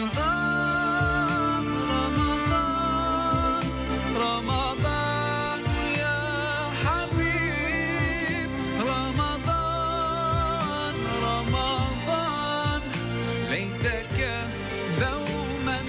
สวัสดีครับ